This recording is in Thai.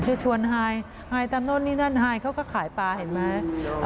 คือชวนไฮตามโน่นนี่นั่นไฮเขาก็ขายปลาเห็นไหม